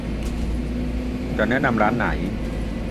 จะแนะนำร้านไหน